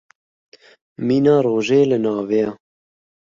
Mîna rojê li navê ye.